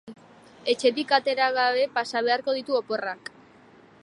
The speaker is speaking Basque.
Etxetik atera gabe pasa beharko ditu oporrak.